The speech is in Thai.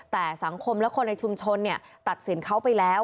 แต่สังคมและคนในชุมชนตัดสินเขาไปแล้ว